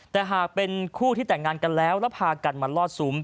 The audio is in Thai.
แต่หากเป็นคู่ที่แต่งงานกันแล้วแล้วพากันมาลอดซุ้ม